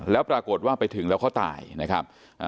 แล้วปรากฏว่าไปถึงแล้วเขาตายนะครับ